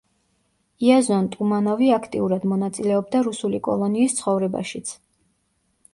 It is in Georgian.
იაზონ ტუმანოვი აქტიურად მონაწილეობდა რუსული კოლონიის ცხოვრებაშიც.